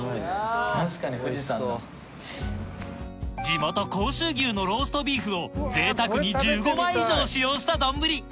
地元甲州牛のローストビーフをぜいたくに１５枚以上使用した丼